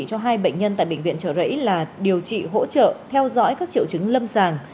cho hai bệnh nhân tại bệnh viện trợ rẫy là điều trị hỗ trợ theo dõi các triệu chứng lâm sàng